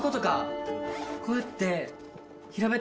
こうやって。